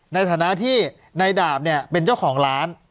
ในฐานะที่ในดาบเนี่ยเป็นเจ้าของร้าน